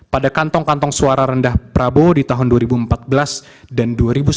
pada kantong kantong suara rendah prabowo di tahun dua ribu empat belas dan dua ribu sembilan belas